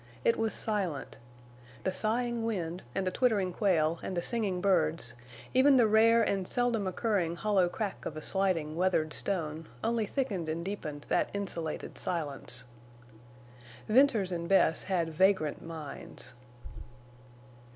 It was silent. The sighing wind and the twittering quail and the singing birds, even the rare and seldom occurring hollow crack of a sliding weathered stone, only thickened and deepened that insulated silence. Venters and Bess had vagrant minds.